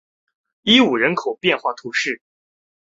伊乌人口变化图示